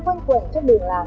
văn quẩn trong đường làng